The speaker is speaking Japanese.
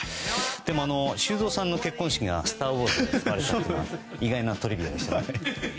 でも修造さんの結婚式に「スター・ウォーズ」が使われていたというのは意外なトリビアでしたね。